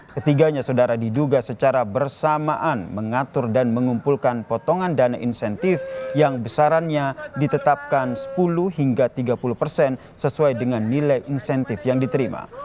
ketiganya saudara diduga secara bersamaan mengatur dan mengumpulkan potongan dana insentif yang besarannya ditetapkan sepuluh hingga tiga puluh persen sesuai dengan nilai insentif yang diterima